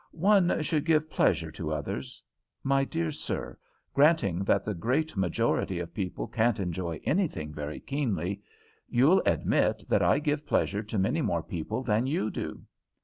"One should give pleasure to others. My dear sir, granting that the great majority of people can't enjoy anything very keenly, you'll admit that I give pleasure to many more people than you do.